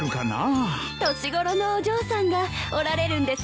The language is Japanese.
年頃のお嬢さんがおられるんですか？